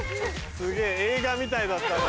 すげぇ映画みたいだったな。